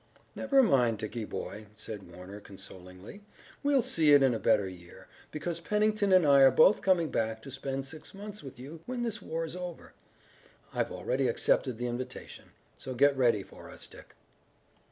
"Never mind, Dickie, boy," said Warner consolingly. "We'll see it in a better year, because Pennington and I are both coming back to spend six months with you when this war is over. I've already accepted the invitation. So get ready for us, Dick."